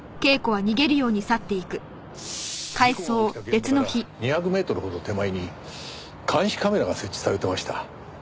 事故が起きた現場から２００メートルほど手前に監視カメラが設置されてました。